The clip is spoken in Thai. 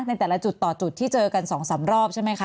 ในแต่ละจุดต่อจุดที่เจอกัน๒๓รอบใช่ไหมคะ